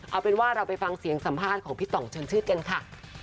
เอาเป็นว่าเราไปฟังเสียงสัมภาษณ์ของพี่ต่องชนชื่นกันค่ะ